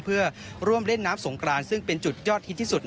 เพื่อร่วมเล่นน้ำสงกรานซึ่งเป็นจุดยอดฮิตที่สุด